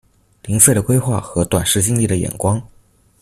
零碎的規畫和短視近利的眼光